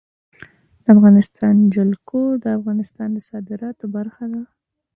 د افغانستان جلکو د افغانستان د صادراتو برخه ده.